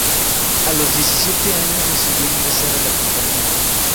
A los diecisiete años decidió ingresar a la compañía.